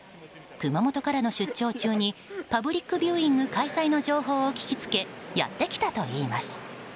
熊本からの出張中にパブリックビューイング開催の情報を聞きつけやってきたといいます。